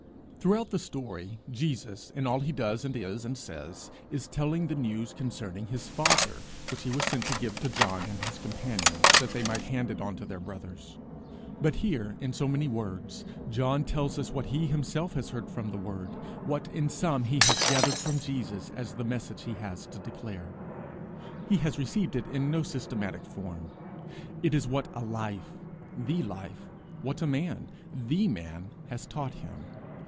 Throughout the story, Jesus, in all he does, and is, and says, is telling the news concerning his father, which he was sent to give to John and his companions, that they might hand it on to their brothers; but here, in so many words, John tells us what he himself has heard from The Word what in sum he has gathered from Jesus as the message he has to declare. He has received it in no systematic form; it is what a life, the life, what a man, the man, has taught him.